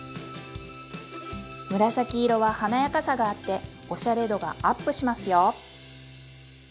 紫色は華やかさがあっておしゃれ度がアップしますよ。